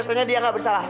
soalnya dia gak bersalah